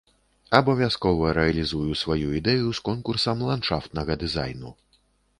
Абавязкова рэалізую сваю ідэю з конкурсам ландшафтнага дызайну.